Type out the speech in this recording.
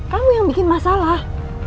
kamu yang bikin mas salah